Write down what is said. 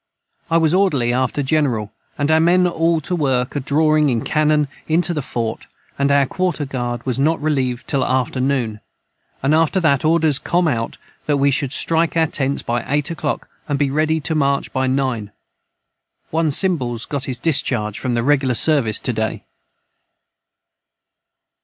I was orderly after the jineral & our men all to work a drawing in Canon into the fort & our quorter guard was not releaved til after noon & after that orders com out that we should strike our tents by 8 oclock and be ready to march by 9 one Cimbals got his discharge from the regular service to day.